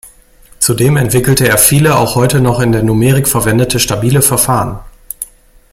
Zudem entwickelte er viele, auch heute noch in der Numerik verwendete, stabile Verfahren.